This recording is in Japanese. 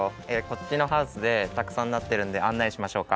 こっちのハウスでたくさんなってるんであんないしましょうか。